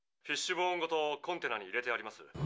フィッシュボーンごとコンテナに入れてあります」。